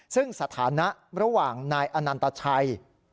ซึ่งสถานะระหว่างนายอนันตชัย